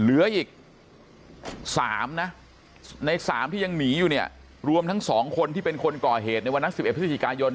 เหลืออีก๓นะใน๓ที่ยังหนีอยู่เนี่ยรวมทั้ง๒คนที่เป็นคนก่อเหตุในวันนั้น๑๑พฤศจิกายน